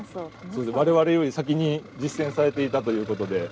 我々より先に実践されていたということで。